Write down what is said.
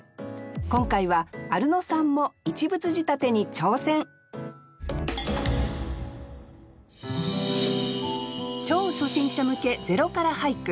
今回はアルノさんも一物仕立てに挑戦超初心者向け「０から俳句」。